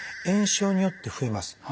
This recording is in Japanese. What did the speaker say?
炎症によって増えます。